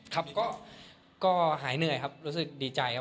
ครับก็หายเหนื่อยครับรู้สึกดีใจครับ